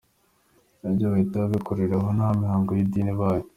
nabyo bahita babikorera aho nta mihango y’idini ibaye.